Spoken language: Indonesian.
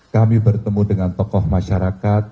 kami bertemu dengan tokoh masyarakat